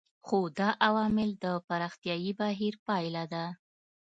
خو دا عوامل د پراختیايي بهیر پایله ده.